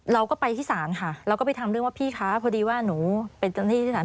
เราก็ไปที่ศาลค่ะเราก็ไปทำเรื่องว่าพี่คะพอดีว่าหนูเป็นเจ้าหน้าที่ที่ศาล